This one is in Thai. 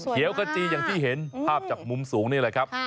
ขจีอย่างที่เห็นภาพจากมุมสูงนี่แหละครับ